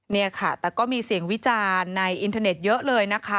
นี่ค่ะแต่ก็มีเสียงวิจารณ์ในอินเทอร์เน็ตเยอะเลยนะคะ